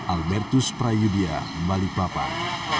albertus prayudya balikpapan